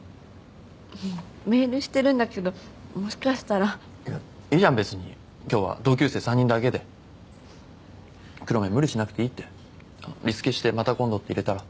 ふふっメールしてるんだけどもしかしたらいやいいじゃん別に今日は同級生３人だけで黒目無理しなくていいってリスケして「また今度」って入れたら？